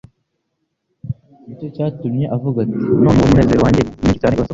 Nicyo cyatumye avuga ati; "None uwo munezero wanjye mwinshi cyane urasohoye,